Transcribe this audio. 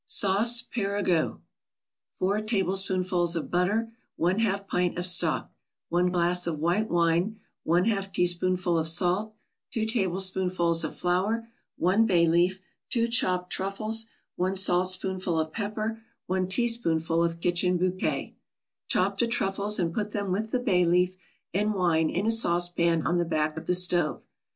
SAUCE PERIGUEUX 4 tablespoonfuls of butter 1/2 pint of stock 1 glass of white wine 1/2 teaspoonful of salt 2 tablespoonfuls of flour 1 bay leaf 2 chopped truffles 1 saltspoonful of pepper 1 teaspoonful of kitchen bouquet Chop the truffles and put them with the bay leaf and wine in a saucepan on the back of the stove.